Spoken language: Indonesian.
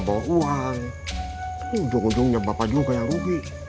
bawa uang ujung ujungnya bapak juga yang rugi